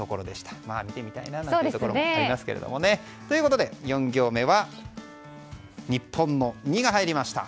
見てみたいなというところもありますよね。ということで、４行目は日本の「ニ」が入りました。